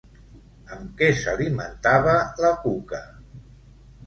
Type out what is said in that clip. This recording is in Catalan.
Amb què s'alimentava la Cuca?